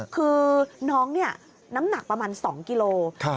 คือน้องน้ำหนักประมาณ๒กิโลกรัม